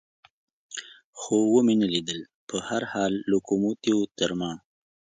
خو مې و نه لیدل، په هر حال لوکوموتیو تر ما.